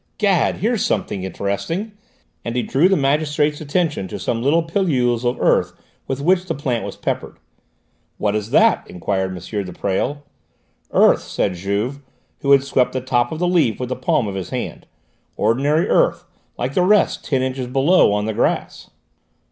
"Gad, here's something interesting!" and he drew the magistrate's attention to some little pilules of earth with which the plant was peppered. "What is that?" enquired M. de Presles. "Earth," said Juve, who had swept the top of the leaf with the palm of his hand; "ordinary earth, like the rest ten inches below, on the grass."